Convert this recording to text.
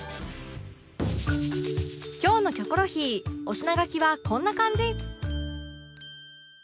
今日の『キョコロヒー』お品書きはこんな感じ